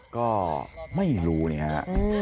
ก็ไม่รู้เนี่ยค่ะ